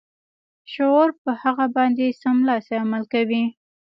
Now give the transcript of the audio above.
لاشعور په هغه باندې سملاسي عمل کوي